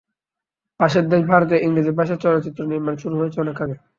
পাশের দেশ ভারতে ইংরেজি ভাষায় চলচ্চিত্র নির্মাণ শুরু হয়েছে অনেক আগে।